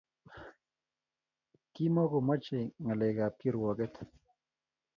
Kimakomachei ngalekab ak kirwoket